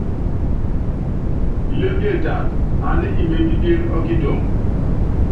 Ilémbie taata, ani imeépípíene ɔ́kitɔŋɔ.